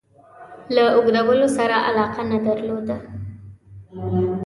له اوږدولو سره علاقه نه درلوده.